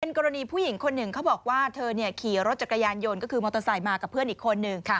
กรณีผู้หญิงคนหนึ่งเขาบอกว่าเธอขี่รถจักรยานยนต์ก็คือมอเตอร์ไซค์มากับเพื่อนอีกคนหนึ่ง